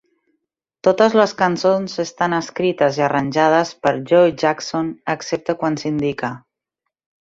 Totes les cançons estan escrites i arranjades per Joe Jackson, excepte quan s'indica.